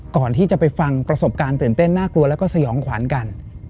ก่อนที่จะไปฟังประสบการณ์ตื่นเต้นน่ากลัวแล้วก็สยองขวัญกัน